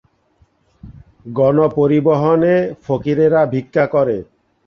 বইটির একটু উপরে পামির পর্বতমালার প্রতিকৃতি রয়েছে।